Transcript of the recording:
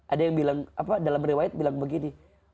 ada yang bilang dalam riwayat bilang begini